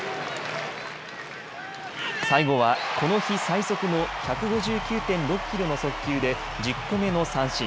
最後はこの日、最速の１５９．６キロの速球で１０個目の三振。